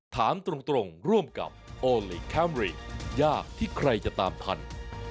ถามตรงร่วมกับโอลี่คัมรี่ยากที่ใครจะตามทัน